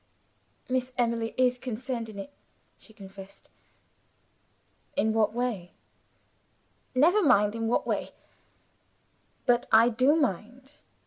"Miss Emily is concerned in it," she confessed. "In what way?" "Never mind in what way." "But I do mind."